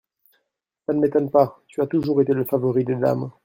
Ca ne m’étonne pas, tu as toujours été le favori des dames.